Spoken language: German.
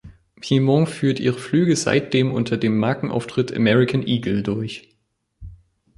Piedmont führt ihre Flüge seitdem unter dem Markenauftritt American Eagle durch.